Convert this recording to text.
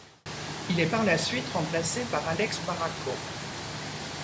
Il est par la suite remplacé par Alex Baracco.